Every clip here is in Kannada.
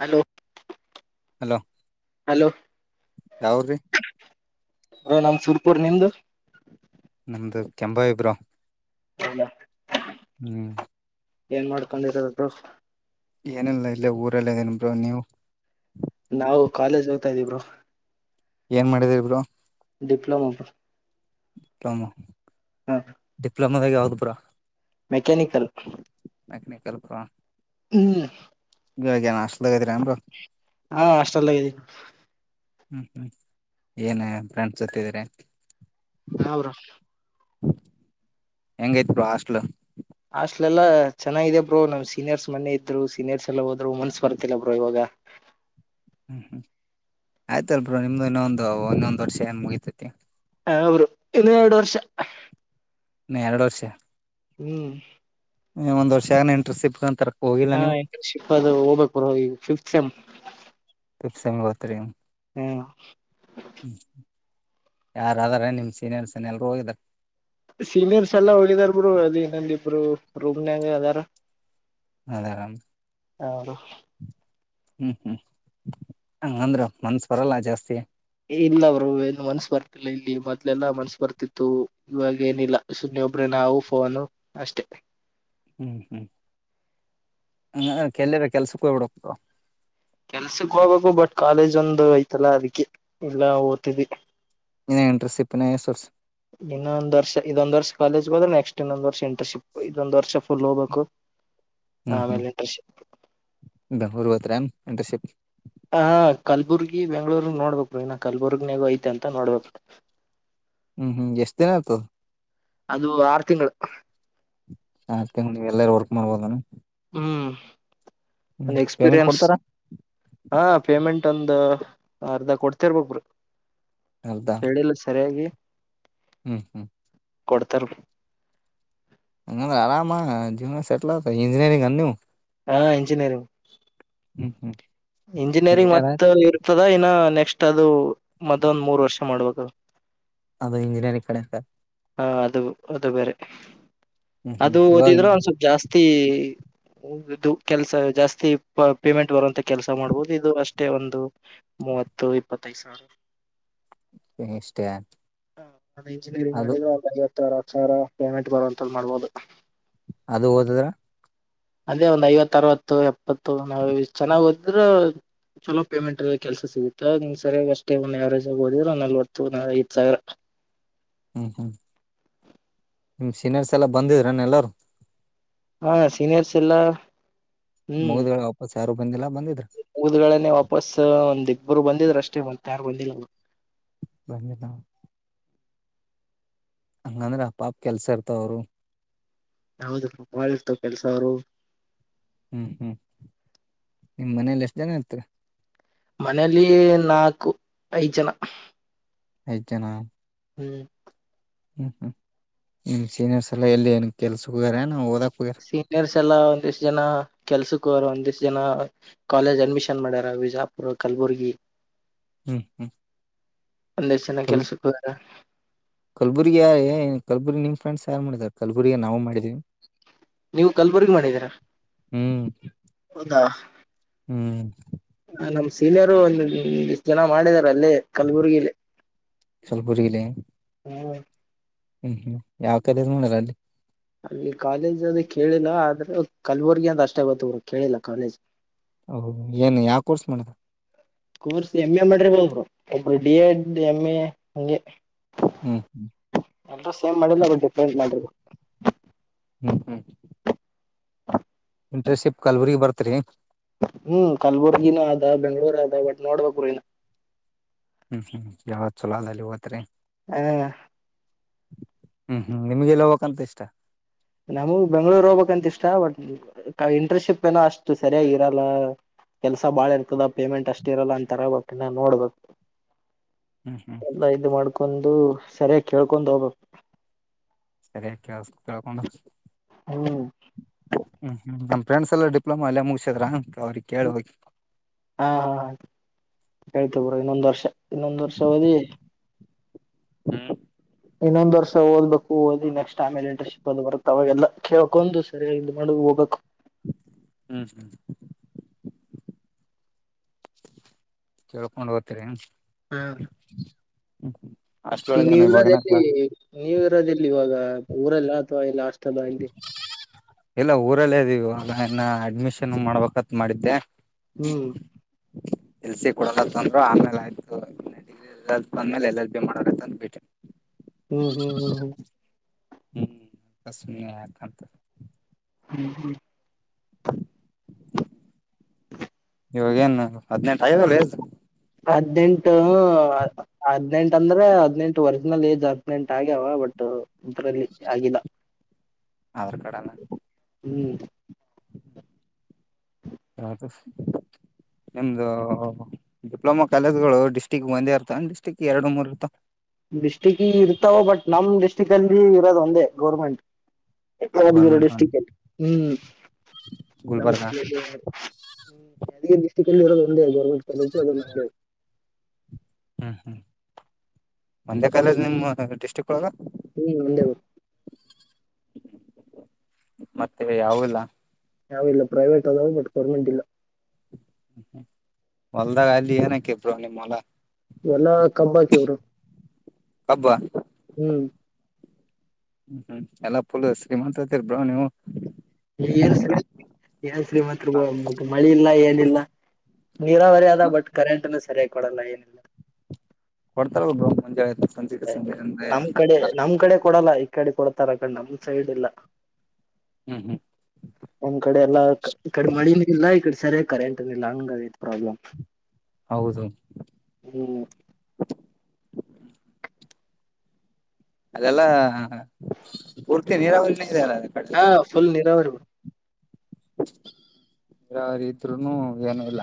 ಹಲೋ ಹಲೋ ಹಲೋ [inaudible] ಯಾವ್ರಿ ಹಲೋ ನಮ್ದು ಸುರ್ಪುರ್ ನಿಮ್ದು ನಮ್ದು ಕೆಂಬಾವಿ ಬ್ರೋ ಹಲೋ [inaudible] ಹ್ಮ್ ಏನ್ ಮಾಡ್ಕೊಂಡಿರೋದು ಬ್ರೋ ಏನಿಲ್ಲಾ ಇಲ್ಲೆ ಊರಲ್ಲಿ ಇದ್ದೀನಿ ಬ್ರೋ ನೀವು ನಾವು ಕಾಲೇಜ್ ಹೋಗ್ತಾ ಇದೀವಿ ಬ್ರೋ ಏನ್ ಮಾಡಿದ್ರೀ ಬ್ರೋ ಡಿಪ್ಲೋಮಾ ಪಾ. ಪ್ಪೊಮೊ [unintelligible] ಹ್ಮಾ. ಡಿಪ್ಲೊಮಾದಾಗ ಯಾವ್ದು ಬ್ರೋ ಮೆಕ್ಯಾನಿಕಲ್ ಹ್ಹ್. ಮೆಕ್ನಿಕಲ್ ಬ್ರೋ ಹ್ಮ್ಮ್. ಈವಾಗೆನ್ ಹಾಸ್ಟೆಲ್ದಾಗ್ ಅದಿರೆನ್ ಬ್ರೋ. ಹಾ ಹಾಸ್ಟೆಲ್ದಾಗ ಅದಿನಿ ಹ್ಮ್ ಹ್ಮ್ ಏನ ಫ್ರೆಂಡ್ಸ್ ಜೊತಿ ಅದೀರ [inaudible] ಹಾ ಬ್ರೋ ಹೆಂಗೈತಿ ಬ್ರೋ ಹಾಸ್ಟಲ. ಹಾಸ್ಟಲ ಎಲ್ಲಾ ಚೆನ್ನಾಗಿದೆ ಬ್ರೋ ನಮ್ ಸೀನಿಯರ್ಸ್ ಮನ್ನೆ ಇದ್ರು ಸೀನಿಯರ್ಸ್ ಎಲ್ಲ ಹೋದ್ರು ಮನ್ಸ ಬರ್ತಿಲ್ಲ ಬ್ರೋ ಇವಾಗ. ಹ್ಮ ಹ್ಮ ಆಯ್ತಲ ಬ್ರೋ ನಿಮ್ದು ಇನ್ನೊಂದು ಇನ್ನೊಂದ ವರ್ಷ ಏನ್ ಮುಗಿತೈತಿ. ಹ ಬ್ರೋ ಇನ್ನ ಎಡ ವರ್ಷ. ಇನ ಎರಡ ವರ್ಷ. ಹ್ಮ. ಒಂದ ವರ್ಷಗ ಏನ್ ಇಂಟರ್ಷಿಪ್ ತುಗೋತಾರ. ಹಾ ಇಂಟರ್ನ್ಶಿಪ್ ಅದು ಹೋಗಬೇಕು ಬ್ರೋ ಈಗ ಫಿಫ್ತ್ ಸೆಮ್. ಫಿಫ್ತ ಸೇಮ್ ಹೋತೀರ ಏನ್ ಹ್ಮ್ ಹ್ಮ ಯಾರ ಅದರ ಏನ್ ನಿಮ್ಮ ಸೀನಿಯರ್ಸ್ನ ಏನ್ ಎಲ್ಲರು ಹೋಗಿದಾರ. ಸೀನಿಯರ್ಸ್ ಎಲ್ಲಾ ಹೋಗಿದಾರ ಬ್ರೋ ಅದೇ ಇನೊಂದ ಇಬ್ರು ರೂಮನ್ಯಾಗ ಅದಾರ. ಅದಾರಣ ಹಾ ರು ಹ್ಮ ಹ್ಮ ಹಂಗಂದ್ರ ಮನ್ಸ್ ಬರಲ್ಲ ಜಾಸ್ತಿ. ಇಲ್ಲ ಬ್ರೋ ಇಲ್ಲೀ ಮನ್ಸ ಬರ್ತಿಲ್ಲ ಇಲ್ಲಿ ಮೊದ್ಲೆಲ್ಲಾ ಮನ್ಸ ಬರ್ತಿತ್ತು. ಇವಾಗ ಏನಿಲ್ಲ ಸುಮ್ನೆ ಒಬ್ರೇ ನಾವು ಫೋನು ಅಷ್ಟೆ. ಹ್ಮ ಹ್ಮ ಹ ಅ ಕೆಲ್ಲೆ ಬೆ ಕೆಲ್ಸಕ್ಕ ಹೋಗ್ಬಿಡಿಕ. ಕೆಲ್ಸಕ ಹೋಗ್ಬೇಕು ಬಟ್ ಕಾಲೇಜ ಒಂದು ಐತಲ್ಲಾ ಅದಕ್ಕೆ ಇಲ್ಲಾ ಓದ್ತಿದ್ವಿ. ಇನ ಎಂಟ್ರೆಸಿಪ್ಪ ಇನ ಎಸ ವರ್ಷ. ಇನ್ನೊಂದ ವರ್ಷ ಇದೊಂದ ವರ್ಷ ಕಾಲೇಜ್ ಹೋದ್ರ ನೆಸ್ಟ್ ಇನೊಂದ ವರ್ಷ ಇಂಟರ್ಶಿಪ್ ಇದೊಂದ ವರ್ಷ ಫುಲ್ ಹೋಗಬೇಕು. ಹ್ಮ ಹ್ಮ ಬೆಂಗಳೂರ ಹೊತ್ತಿರ ಏನ್ ಇಂಟರ್ಶಿಪ್. ಹ ಕಲ್ಬುರ್ಗಿ ಬೆಂಗಳೂರ್ಗ್ ನೋಡ್ಬೇಕ ಇನ್ನ ಕಲ್ಬುರ್ಗ್ನಗ ಐತ ಅಂತ ನೋಡ್ಬೇಕ. ಹ್ಮ ಹ್ಮ ಎಷ್ಟನೇತು ಅದು ಆರ ತಿಂಗಳ. ಆರ ತಿಂಗಳಿಗ ಎಲ್ಲಾ ವರ್ಕ್ ಮಾಡ್ಬೋದ ಏನ. ಹ್ಮ ಒಂದ ಪೇಮೆಂಟ್ ಎಕ್ಸ್ಪಿರಿಯನ್ಸ್. ಕೊಡ್ತಾರ ಹಾ ಪೇಮೆಂಟ್ ಒಂದ ಅರ್ಧ ಕೊಡ್ತಿರ್ಬಕ ಬ್ರೋ. ಅರ್ಧ ಹೇಳಿಲ್ಲ ಸರಿಯಾಗಿ ಹ್ಮ ಹ್ಮ ಕೊಡ್ತಾರ. ಹ್ಮ ಆರಾಮ ಜೀವನ ಸೆಟ್ಲ್ ಆತ ಇಂಜಿನಿಯರಿಂಗ್ ಅನ ನಿವ. ಹ ಇಂಜಿನಿಯರಿಂಗ್ ಹ್ಮ ಹ್ಮ ಇಂಜಿನಿಯರಿಂಗ್ ಮತ್ತ ಇರ್ತದ ಇನ್ನ ನೆಕ್ಸ್ಟ್ ಅದು ಮತ್ತೊಂದ ಮೂರ್ ವರ್ಷ ಮಾಡ್ಬೇಕ. ಅದ ಇಂಜಿನಿಯರಿಂಗ್ ಕಡೆಯಿಂದ ಹಾ ಅದು ಅದು ಬೇರೆ ಹ್ಮ್ ಹ್ಮ್ ಅದು ಓದಿದ್ರ ಒನ್ ಇವಾಗ ಸಪ್ಪ ಜಾಸ್ತಿ. ಹ ಇದು ಕೆಲ್ಸ ಜಾಸ್ತಿ ಪೇಮೆಂಟ್ ಬರುವಂತ ಕೆಲ್ಸ ಮಾಡ್ಬದು ಇದು ಅಷ್ಟೇ ಒಂದು. ಮೂವತ್ತು ಇಪ್ಪತ್ತದ ಸಾರ ಇಷ್ಟೇ ಹ ಅದ ಇಂಜಿನಿಯರಿಂಗ್ ಮಾಡ ಅದು ಐವತ್ತ ಅರವತ್ತ ಸಾವರ ಪೇಮೆಂಟ್ ಬರುವಂತ ಮಾಡ್ಬೋದ. ಅದು ಓದದ್ರ ಅದೇ ಒಂದ್ ಐವತ್ತ ಅರವತ್ತ ಎಪ್ಪತ್ತು ನಾವ ಚೆನ್ನಾಗ ಓದಿದ್ರ. ಚಲೋ ಪೇಮೆಂಟ್ ಅಲ್ಲ ಕೆಲ್ಸ ಸಿಗತ್ತ ನಿ ಸರಿಯ ಅಷ್ಟೇ ಎವರೇಜ್ ಆಗ ಓದಿದ್ರ ಒ ನಲ್ವತ್ತು ಐವತ್ತಸಾವಿರ ಹ್ಮ ಹ್ಮ ನಿಮ್ಮ ಸೀನಿಯರ್ಸ್ ಎಲ್ಲ ಬಂದಿದ್ರನ ಎಲ್ಲರು. ಹಾ ಸೀನಿಯರ್ಸ್ ಎಲ್ಲಾ ಮುಗಿದಗಳೆ ವಾಪಸ್ ಯಾರು ಬಂದಿಲ್ಲ ಬಂದಿದ್ರ್ ಮುಗದಗಳನೆ ವಾಪಸ್ ಒಂದ ಇಬ್ಬರ ಬಂದಿದ್ರು ಅಷ್ಟೇ ಮತ್ತ್ ಯಾರು ಬಂದಿಲ್ಲ ಬಂದಿಲ್ಲಾ ಹಂಗಂದ್ರೆಂಗ ಪಾಪ್ ಕೆಲ್ಸ ಇರ್ತಾವವ್ರು ಹೌದ್ರಿ ಪಾಪ್ ಬಾಳ ಇರ್ತವ ಕೆಲ್ಸ ಅವ್ರು ಹ್ಮ್ ಹ್ಮ್ ನಿಮ್ ಮನೇಲಿ ಎಷ್ಟ ಜನ ಇರತ್ತಿರ್ ಮನೇಲಿ ನಾಕು ಐದ್ ಜನ ಐದ ಜನ್ ಹ್ಮ್ ಹ್ಮ್ ಹ್ಮ್ ನಿಮ್ಮ್ ಸೀನಿಯರ್ಸ್ ಎಲ್ಲ್ ಎಲ್ಲಿ ಏನ್ ಕೆಲ್ಸ ಹೋಗ್ಯಾರೇನ್ ಓದಕ್ ಹೋಗ್ಯಾರ ಸೀನಿಯರ್ಸ್ ಎಲ್ಲಾ ಒಂದಿಷ್ಟ ಜನ ಕೆಲ್ಸಕ್ಕ ಹೋಗ್ಯರ್ ಒಂದಿಷ್ಟ ಜನ ಕಾಲೇಜ್ ಅಡ್ಮಿಷನ್ ಮಾಡ್ಯಾರ ವಿಜಾಪುರ್ ಕಲಬುರ್ಗಿ ಹ್ಮ್ ಹ್ಮ್ ಒಂದಷ್ಟ ಜನ ಕಲ್ ಕೆಲ್ಸಕ್ಕ ಹೋಗ್ಯರ್ ಕಲ್ಬುರ್ಗಿ ಯ ಕಲಬುರಗಿ ನಿಮ್ಮ ಫ್ರೆಂಡ್ಸ್ ಯಾರ ಮಾಡಿದ್ದಾರೆ ಕಲಬುರಗಿ ನಾವು ಮಾಡಿದೀವಿ ನೀವು ಕಲ್ಬುರ್ಗಿ ಮಾಡಿದ್ದೀರಾ ಹ್ಮ್ ಹೌದಾ ಹ್ಮ್ ಹಾ ನಮ್ ಸೀನಿಯರು ಒಂದಿಷ್ಟ್ ಜನ ಮಾಡಿದಾರ ಅಲ್ಲೇ ಕಲಬುರ್ಗಿಲಿ ಕಲ್ಬುರ್ಗಿಲಿ ಹಾ ಹ್ಮ್ ಹ್ಮ್ ಯಾವ್ ಕಾಲೇಜ್ ಮಾಡರ ಅಲ್ಲಿ ಅಲ್ಲಿ ಕಾಲೇಜ್ ಅದ ಕೇಳಿಲ್ಲ ಆದ್ರ ಕಲಬುರ್ಗಿ ಅಂತ ಅಷ್ಟೇ ಗೊತ್ತುಬುಡು ಕೇಳಿಲ್ಲ ಕಾಲೇಜ್ ಹೌದನ್ ಏನ್ ಯಾವ ಕೋರ್ಸ್ ಮಾಡೇನ್ ಕೋರ್ಸ್ ಎಮ್ ಎ ಮಾಡ್ರಿಬಹುದ್ ಒಬ್ಬರ್ ಡಿ ಎಡ್ ಎಮ್ ಎ ಹಂಗೆ ಹ್ಮ್ ಹ್ಮ ಎಲ್ ಸೇಮ್ ಮಾಡಿಲ್ಲ ಬಟ್ ಡಿಫ್ರೆಂಟ್ ಮಾಡಿರ.. ಹ್ಮ್ ಹ್ಮ್ ಇಂಟರ್ನ್ಶಿಪ್ ಕಲ್ಬುರ್ಗಿ ಬರ್ತ್ರಿ ಹ್ಮ್ ಕಲಬುರ್ಗಿನಾದ ಬೆಂಗ್ಳೂರಾದ ಬಟ್ ನೋಡ್ಬೇಕು ಗುರು ಇನ ಹ್ಮ್ ಹ್ಮ್ ಯಾವದ ಚಲೋ ಆದ ಅಲ್ಲಿಗ ಹೋತ್ತಿರಿ ಹ್ ಹ್ಮ್ ಹ್ಮ್ ನಿಮ್ಗೆಲ್ಲ ಹೋಬೇಕ್ಂತ ಇಷ್ಟ ನಮಗು ಬೆಂಗ್ಗಳೂರ್ ಹೋಬೇಕಂತ ಇಷ್ಟ ಬಟ್ ಇಂಟರ್ನ್ಶಿಪ್ ಏನೋ ಅಷ್ಟು ಸರಿಯಾಗಿ ಇರಲ್ಲ ಕೆಲ್ಸ ಬಾಳ ಇರ್ತದ ಪೇಮೆಂಟ್ ಅಷ್ಟ ಇರಲ್ಲ ಅಂತರ ಇನ್ನ್ ನೋಡ್ಬೇಕ ಹ್ಮ್ ಹ್ಮ್ ಎಲ್ಲ ಇದು ಮಾಡ್ಕೊಂಡು ಸರಿಯಾಗಿ ಕೇಳ್ಕೊಂಡ್ ಹೋಬೇಕ್ ಸರಿಯಾಗ ಕೇಳಸ್ ಕೇಳ್ಕೊಂಡು ಹ್ಮ್ ಹ್ಮ್ ಹ್ಮ್ ನಮ್ ಫ್ರೆಂಡ್ಸ್ ಎಲ್ಲ ಡಿಪ್ಲೊಮಾ ಎಲ್ಲೇ ಮುಗಸಿದ್ರ ಅವ್ರಿಗ್ ಕೇಳ ಹೋಗಿ ಹ್ ಹ್ ಹೇಳ್ತಿವ್ ಬ್ರೋ ಇನ್ನೊಂದ್ ವರ್ಷ ಇನ್ನೊಂದ್ ವರ್ಷ ಓದಿ ಇನ್ನೊಂದ ವರ್ಷ ಓದಬೇಕು ಓದಿ ನೆಕ್ಸ್ಟ್ ಆಮೇಲ ಇಂಟರ್ಶಿಪ್ ಅದು ಬರುತ್ತ್ ಅವಾಗೆಲ್ಲ ಕೇಳಕೋಂದ ಸರಿಯಾಗಿ ಇದ್ ಮಾಡಿ ಹೋಬೇಕ್ ಹ್ಮ್ ಹ್ಮ್ ಕೇಳ್ಕೊಂಡ್ ಹೋತ್ತಿರ್ ಹ್ಮಾ ಈ ನೀವ ಅಷ್ಟೊಳಗೇನ ಇವಾಗನ ಇರೋದೆಲ್ಲಿ ಕ್ಲಾಸ್ ನೀವ ಇರೋದೆಲ್ಲಿ ಇವಾಗ ಊರಲ್ಲ ಅಥವಾ ಇಲ್ಲ ಹಾಷ್ಟಲ ಇಲ್ಲಿ ಇಲ್ಲ ಊರಲ್ಲೇ ಇದ್ದೀವಾಗ ಇನ್ನ ಅಡ್ಮಿಷನ್ ಮಾಡ್ಬೇಕತ ಮಾಡಿದ್ದೆ. ಹ್ಮ್ ಎಲ್ಸಿ ಕೊಡಲ್ಲ ಅಂತ ಅಂದ್ರ ಆಮೇಲ ಆಯ್ತ [unintelligible] ಎಲ್ಲ ಬಂದ್ಮೇಲೆ ಎಲ್ ಎಲ್ ಬಿ ಮಾಡೋನಂತ ಬಿಟ್ಟೆ. ಹ್ಮ ಹ್ಮ ಹ್ಮ ಹ್ಮ ಹ್ಮ ಸುಮ್ನೆ ಯಾಕ ಅಂತ. ಹ್ಮ ಹ್ಮ [inaudible] ಇವಾಗೇನ ಹದಿನಂಟ ಆಗಿವಲ್ಲ ಏಜ್. ಹದ್ನೆಂಟ ಹದ್ನೆಂಟ ಅಂದ್ರ ಹದ್ನೆಂಟ ಒರಿಜಿನಲ್ ಏಜ್ ಹದ್ನೆಂಟ ಆಗ್ಯವ ಒಟ್ಟ. ಇದರಲ್ಲಿ ಆಗಿಲ್ಲ ಆಧಾರ್ ಕಾರ್ಡ್ ಹ್ಮ [unintelligible] ನಿಮ್ದ ಡಿಪ್ಲೊಮಾ ಕಾಲೇಜ್ ಗಳ ಡಿಸ್ಟ್ರಿಕ್ ಒಂದೇ ಇರ್ತವ ಡಿಸ್ಟ್ರಿಕ್ ಎರಡು ಮೂರ್ ಇರ್ತವ. ಡಿಸ್ಟಿಕ್ ಗ ಇರ್ತಾವ ಬಟ್ ನಮ್ಮ ಡಿಸ್ಟಿಕ್ ಅಲ್ಲಿ ಇರೋದ ಒಂದೇ ಗೌರ್ಮೆಂಟ್. [unintelligible] ಗೌರ್ಮೆಂಟ್ ಡಿಸ್ಟ್ರಿಕ್ ಅಲ್ಲಿ ಹ್ಮ ಗುಲ್ಬರ್ಗ [unintelligible] ಯಾದಗಿರಿ ಡಿಸ್ಟಿಕ್ ಅಲ್ಲಿ ಇರೋದ ಒಂದೇ ಗೌರ್ಮೆಂಟ್ ಕಾಲೇಜ [unintelligible] ಹ್ಮ ಹ್ಮ ಒಂದೇ ಕಾಲೇಜ್ ನಿಮ್ಮ ಡಿಸ್ಟ್ರಿಕ್ ಒಳಗ ಹ್ಮ ಒಂದೇ ಮತ್ತೆ ಯಾವಿಲ್ಲ. ಯಾವು ಇಲ್ಲ ಪ್ರೈವೇಟ್ ಅದಾವ ಬಟ್ ಗರ್ಮೆಂಟ್ ಇಲ್ಲ. ಹೊಲ್ದಾಗ ಅಲ್ಲಿ ಏನಕ್ಕೆೆಬ್ರ ನಿಮ್ಮ ಹೊಲ. ಎಲ್ಲಾ ಕಬ್ಬ ಆಕಿವ ಬ್ರೋ. ಕಬ್ಬಾ ಹ್ಮ. ಹ್ಮ ಎಲ್ಲಾ ಫುಲ್ ಶ್ರೀಮಂತ ಅದಿರ ಬ್ರೋ ನೀವು. ನೀ ಏನ್ ಸರಿ ಏನ ಶ್ರೀಮಂತ ಬ್ರ ಮಳಿ ಇಲ್ಲ ಏನಿಲ್ಲ. ನೀರಾವರಿ ಅದ ಬಟ್ ಕರೆಂಟ್ನ ಸರಿಯಾಗಿ ಕೊಡಲ್ಲ ಏನಿಲ್ಲ. ಕೊಡ್ತಾರ ಬ್ರ ಮುಂಜಾಳೆ ಎದ್ದ ಎ ನಮ್ಮ ಕಡೆ ನಮ್ಮ ಕಡೆ ಕೊಡಲ್ಲ ಈ ಕಡೆ ಕೊಡ್ತಾರ ಅಕ ನಮ ಸೈಡ್ ಇಲ್ಲ. ಹ್ಮ ಹ್ಮ ನಮ್ಮ ಕಡೆ ಎಲ್ಲಕ ಈಕಡೆ ಮಳಿನು ಇಲ್ಲ ಈಕಡೆ ಸರಿ ಕರೆಂಟ್ ಇಲ್ಲ ಹಂಗ ಅಗೆತ ಪ್ರಾಬ್ಲಮ್. ಹೌದು. ಹ್ಞೂ. ಅದೆಲ್ಲಾ ಪೂರ್ತಿ ನೀರಾವರಿನ ಇದ. ಹಾ ಫುಲ್ ನೀರಾವರಿ. ಬರಾವರ ಇದ್ರುನು ಏನು ಇಲ್ಲ.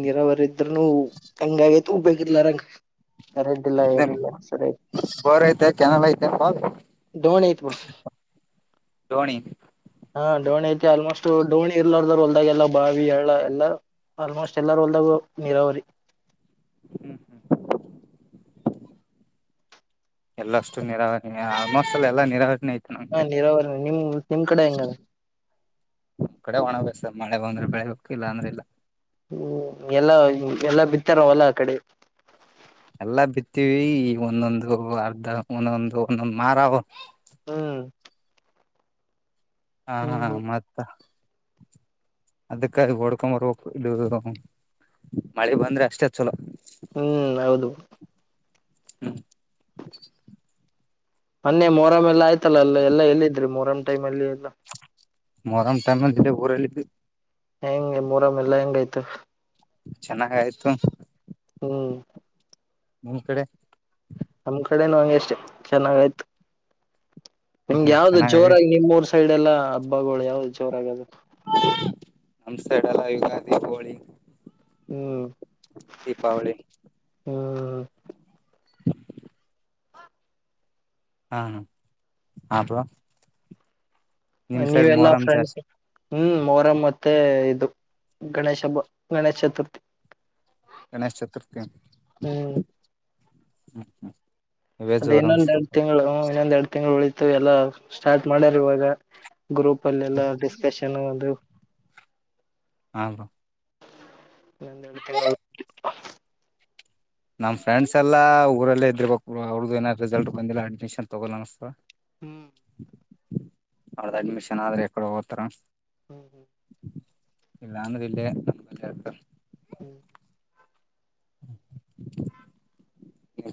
ನೀರಾವರಿ ಇದ್ರನು ಹಂಗಗೈತ ಉಬ್ಬಯ ಇರ್ಲಾರಂಗ ಇಣ್ಣೆನ ಬೋರ್ ಐತೆ ಕೆನಲ್ ಐತೆ. ದೋಣಿ ಐತ್ವ ಧೋಣಿ ಹಾ ಡೋಣಿ ಐತೆ ಆಲ್ಮೋಸ್ಟ್ ಡೋಣಿ ಇರ್ಲಾರದರ ಹೊಲ್ದಾಗ ಎಲ್ಲ ಬಾವಿ ಹಳ್ಳ ಎಲ್ಲಾ ಆಲ್ಮೋಸ್ಟ್ ಎಲ್ಲರ ಒಲ್ದಾಗೂ ನೀರಾವರಿ ಹ್ಮ ಹ್ಮ ಎಲ್ಲಷ್ಟು ನೀರಾವರಿನೇ ಆಲ್ಮೋಸ್ಟ್ ಆಲ್ ಎಲ್ಲಾ ನೀರಾವರಿನೇ ಐತಿ. ಹಾ ನೀರಾವರಿನೇ ನಿಮ್ ನಿಮ್ ಕಡೆ ಹೆಂಗಾನ. ನಮ್ ಕಡೆ ಒಣಬೇಸಾಯ ಮಳೆ ಬಂದ್ರೆ ಬೆಳಿಬೇಕು ಇಲ್ಲಂದ್ರೆ ಇಲ್ಲ. ಹ್ಮ್ ಎಲ್ಲಾ ಎಲ್ಲಾ ಬಿತ್ತಾರ ವಲ ಆ ಕಡಿ. ಎಲ್ಲಾ ಬಿತ್ತವಿ ಈಗ್ ಒಂದೊಂದು ಅರ್ಧ ಒಂದೊಂದು ಒಂದೊಂದು ಮಾರಾ ಹ್ಮ್ ಹಾ ಹಾ ಮತ್ತ. ಅದಕ್ಕ ಅಲಿಗಿ ಓಡ್ಕೊಂಬರ್ಬೇಕು ಇದು [unintelligible] ಮಳಿ ಬಂದ್ರೆ ಅಷ್ಟೇ ಚಲೋ. ಹ್ಮ್ ಹೌದು. ಹ್ಮ್ ಮನ್ನೆ ಮೊಹರಂ ಎಲ್ಲ ಆಯ್ತಲ್ಲ ಅಲ್ಲ ಎಲ್ಲ ಎಲ್ಲಿ ಇದ್ರಿ ಮೊಹರಂ ಟೈಮಲ್ಲಿ ಎಲ್ಲ. ಮರಂ ಟೈಮಲ್ಲಿ [unintelligible] ಊರಲ್ಲಿ ಇದ್ವಿ. ಹೆಂಗೆ ಮೂರಮ್ಮ ಎಲ್ಲಾ ಹೆಂಗ ಆಯ್ತು. ಚೆನ್ನಾಗಾಯ್ತು. ಹ್ಮ್ ನಿಮ್ ಕಡೆ. ನಮ್ಮ್ ಕಡೆನು ಹಂಗೆ ಅಷ್ಟೆ ಚೆನ್ನಾಗ ಆಯ್ತು. ಹ್ಮ್ ನಿಮ್ಗೆ ಹ್ಮ್ ಯಾವ್ದ ಚೆನ್ನಾಗಾಗಿ ಜೋರಾಗಿ ನಿಮ್ ಊರ್ ಸೈಡ್ ಎಲ್ಲಾ ಹಬ್ಬಗಳು ಯಾವ್ದು ಜೋರ ಆಗದು. ನಮ್ಸೈಡ್ ಎಲ್ಲ ಯುಗಾದೀಪವಳಿ. ಹ್ಮ್ ದೀಪಾವಳಿ. ಹ್ಮ್ ಹಾ ಹಾ [unintelligible] ನಿಮ್ ಸೈಡ್ ನೀವೆಲ್ಲಾ ಮೊಹರಂ ಫ್ರೆಂಡ್ಸ್. ಜಾಸ್ತಿ ಹ್ಮ್ ಮೋರಂ ಮತ್ತೆ ಇದು ಗಣೇಶ ಹಬ್ಬ ಗಣೇಶ ಚತುರ್ಥಿ. ಗಣೇಶ ಚತುರ್ಥಿಯ ಹ್ಮ್ ಹ್ಮ್ ಹ್ಮ್. ಅದ ಇನ್ನೊಂದೆರಡು ತಿಂಗಳು ಇನ್ನೊಂದ್ ಎರಡ್ ತಿಂಗಳು ಉಳಿತು ಎಲ್ಲಾ ಸ್ಟಾರ್ಟ್ ಮಾಡ್ಯಾರ ಇವಾಗ. ಗ್ರೂಪ್ ಅಲ್ಲ ಎಲ್ಲ ಡಿಸ್ಕಷನ್ ಅದು. ಹ ಹ [unintelligible] ನಮ್ಮ ಫ್ರೆಂಡ್ಸ್ ಎಲ್ಲ ಊರಲ್ಲೇ ಇದಿರ್ಬೇಕು ಅವ್ರದಿನ್ನ ರಿಸಲ್ಟ್ ಬಂದಿಲ್ಲ ಅಡ್ಮಿಷನ್ ತಗೋಲ್ಲ ಅನ್ಸ್ತದ. ಅವ್ರ್ದ ಅಡ್ಮಿಷನ್ ಆದ್ರ ಎಕಡೆ ಹೋಗೋತಾರ. ಹ್ಞೂ ಇಲ್ಲಾಂದ್ರ ಇಲ್ಲೆ ನನಬಲ್ಲೇ ಇರ್ತಾರೆ. ಹ್ಮ್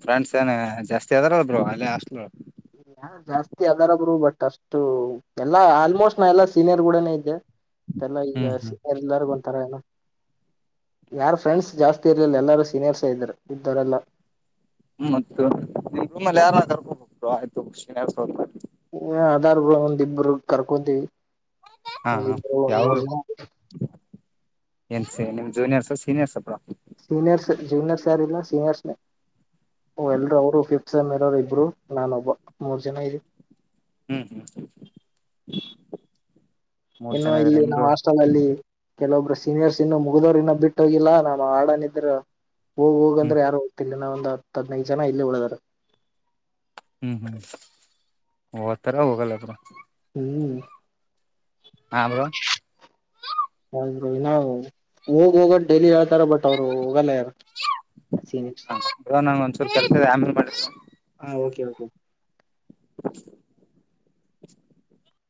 ಫ್ರೆಂಡ್ಸ್ ಏನ ಜಾಸ್ತಿ ಅದಾರ ಅಲ್ರು ಅಲ್ಲೇ ಆಷ್ಟ್ಲು ಹಾ ಜಾಸ್ತಿ ಅದಾರಬ್ರು ಬಟ್ ಅಷ್ಟು ಎಲ್ಲಾ ಆಲ್ಮೋಸ್ಟ್ ನಾ ಎಲ್ಲಾ ಸೀನಿಯರ್ ಗೂಡನೇ ಇದ್ದೆ ಮೆಲ್ಲಾ ಈಗ ಹ್ಮ್ ಹ್ಮ್ ಸೀನಿಯರ್ ಎಲ್ಲಾರೂ ಬೊಂತಾರೆ ಎಲ್ಲಾ. ಯಾರ ಫ್ರೆಂಡ್ಸ್ ಜಾಸ್ತಿ ಇರ್ಲಿಲ್ಲ ಎಲ್ಲಾರೂ ಸೀನಿಯರ್ಸ್ ಇದ್ದರು ಇದ್ದವರೆಲ್ಲ. ಹ್ಮ್ ಮತ್ತ ನಿಮ್ ರೂಮಲೆ ಯಾರರ್ಬಬೇಕರು ಆಯ್ತು ಸೀನಿಯರ್ಸ್ ಹೆ ಅದಾರ್ ಒಂದಿಬ್ಬರು ಕರ್ಕೊಂತೀವಿ ಹಾ ಹಾ ಒಂದಿಬ್ರು ಒಂದ್ ಯಾವ್ ಮೂರ್ ಊರು ಜನ. ಏನ್ ಸ ನಿಮ್ ಜೂನಿಯರ್ಸ್ ಸೀನಿಯರ್ಸಾ ಬ್ರೊ. ಸೀನಿಯರ್ಸ್ ಜೂನಿಯರ್ಸ್ ಯಾರಿಲ್ಲ ಸೀನಿಯರ್ಸ್ನೆ ಓ ಎಲ್ರೂ ಅವರು ಫಿಫ್ತ್ ಸೆಂ ಇರೋರು ಇಬ್ರು. ನಾನ ಒಬ್ಬ ಮೂರ್ ಜನ ಇದಿವಿ. ಹ್ಮ್ ಹ್ಮ್ ಹ್ಮ್ ಇನ್ನು ಇಲ್ಲಿ ನಾವು ಅಷ್ಟ [unintelligible] ಲ್ಲಿ ಕೆಲವೊಬ್ರು ಸೀನಿಯರ್ಸ್ ಇನ್ನು ಮುಗಿದೋರು ಇನ್ನೊ ಬಿಟ್ಟ ಹೋಗಿಲ್ಲಾ ನಾ ಆಡನಿದ್ರು ಹೋಗ್ ಹೋಗ ಹ್ಮ್ ಅಂದ್ರೆ ಯಾರು ಹೋಗ್ತಿಲ್ಲಾ ಒಂದ ಹತ್ತ ಹದ್ನೈದ ಜನ ಇಲ್ಲಿ ಉಳದಾರ. ಹ್ಮ್, ಹ್ಮ್ ಹೊತರ ಹೋಗಲ್ಲ ಹ್ಮ್, ಹ [inaudible] ಹೌ [unintelligible] ನಾವು ಹೋಗ ಹೋಗ ಡೈಲಿ ಹೇಳ್ತಾರ ಬಟ್ ಅವ್ರು ಹೋಗಲ್ಲ ಆಗ್ತಾರೆ. ಹ ನಂಗ ಒಂದ್ಸೂರು ಕರ್ತ ಆಮೇಲೆ ಮಾಡ [unintelligible] ಹಾ, ಓಕೆ ಓಕೆ [unintelligible]